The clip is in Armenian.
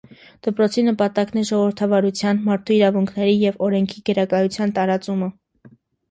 Դպրոցի նպատակն է ժողովրդավարության, մարդու իրավունքների և օրենքի գերակայության տարածումը։